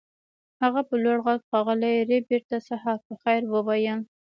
هغه په لوړ غږ ښاغلي ربیټ ته سهار په خیر وویل